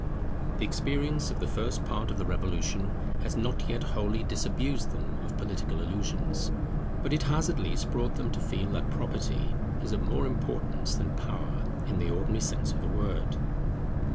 The experience of the first part of the Revolution has not yet wholly disabused them of political illusions, but it has at least brought them to feel that Property is of more importance than Power in the ordinary sense of the word.